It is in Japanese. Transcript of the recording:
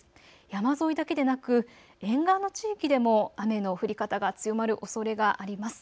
山沿いだけでなく沿岸の地域でも雨の降り方が強まるおそれがあります。